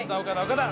岡田